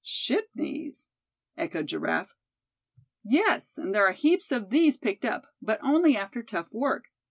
"Ship knees!" echoed Giraffe. "Yes, and there are heaps of these picked up, but only after tough work.